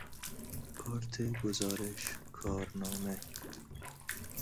کارت گزارش، کارنامه